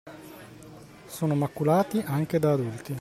Sono maculati anche da adulti.